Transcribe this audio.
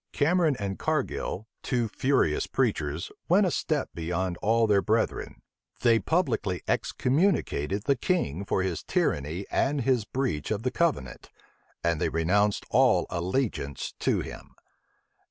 Cameron and Cargil, two furious preachers, went a step beyond all their brethren: they publicly excommunicated the king for his tyranny and his breach of the covenant, and they renounced all allegiance to him.